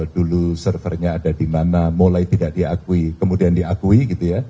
dulu servernya ada di mana mulai tidak diakui kemudian diakui gitu ya